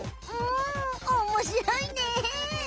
んおもしろいね！